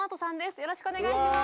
よろしくお願いします。